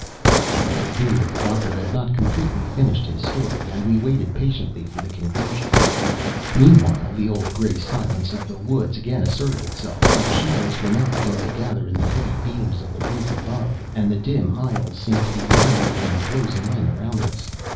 But we knew that the Doctor had not completely finished his story, and we waited patiently for the conclusion. Meanwhile the old, gray silence of the woods again asserted itself, but shadows were now beginning to gather in the heavy beams of the roof above, and the dim aisles seemed to be narrowing and closing in around us.